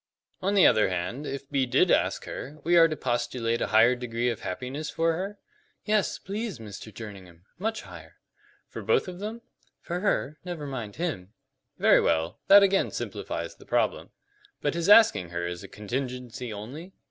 "On the other hand, if B did ask her, we are to postulate a higher degree of happiness for her?" "Yes, please, Mr. Jerningham much higher." "For both of them?" "For her. Never mind him." "Very well. That again simplifies the problem. But his asking her is a contingency only?"